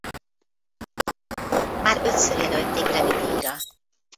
Már ötször jelölték Grammy-díjra.